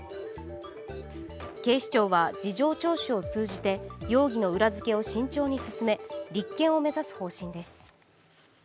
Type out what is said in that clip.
警視庁は事情聴取を通じて容疑の裏付けを慎重に進め立件を目指す方針です。